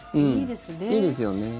いいですよね。